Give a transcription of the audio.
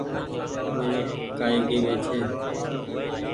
منک ڪآئي ڪيوي ڇي۔